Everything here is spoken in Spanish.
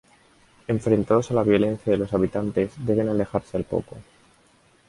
Enfrentados a la violencia de los habitantes, deben alejarse al poco.